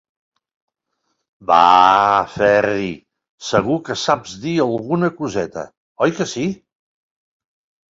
Vaaa, Ferri, segur que saps dir alguna coseta, oi que sí?